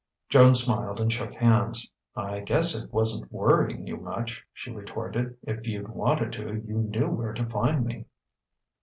Joan smiled and shook hands. "I guess it wasn't worrying you much," she retorted. "If you'd wanted to, you knew where to find me."